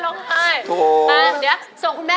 ลองไห้